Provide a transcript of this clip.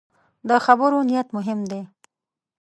د خبرو نیت مهم دی